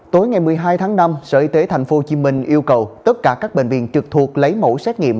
tối ngày một mươi hai tháng năm sở y tế tp hcm yêu cầu tất cả các bệnh viện trực thuộc lấy mẫu xét nghiệm